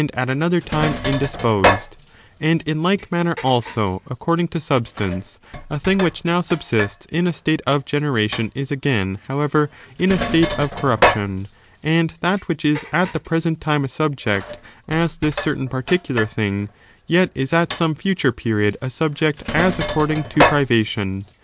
213 at another time indisposed : and in like manner, also, accord ing to substance, a thing which now subsists in a state of generation is again, however, in a state of corruption, and that which is at the present time a subject, as this certain particular thing, yet is at some future period a subject as according to privation.